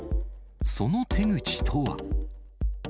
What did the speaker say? その手口とは。